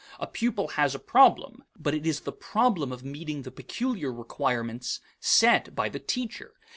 A pupil has a problem, but it is the problem of meeting the peculiar requirements set by the teacher.